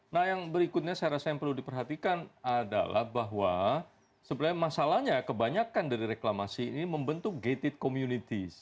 nah yang berikutnya saya rasa yang perlu diperhatikan adalah bahwa sebenarnya masalahnya kebanyakan dari reklamasi ini membentuk gated community